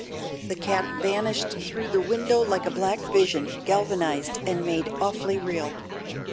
The cat vanished through the window like a black vision galvanised and made awfully real.